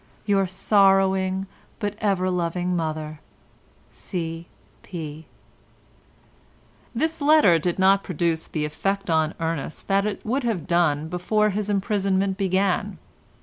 —Your sorrowing but ever loving mother, C. P." This letter did not produce the effect on Ernest that it would have done before his imprisonment began.